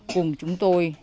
cùng chúng tôi